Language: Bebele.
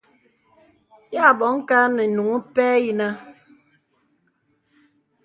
Yà bɔ̀ŋ kà nə inuŋ pɛ̂ yìnə̀.